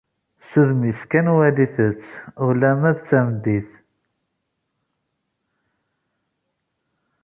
S udem-is kan walit-tt ulamma d tameddit.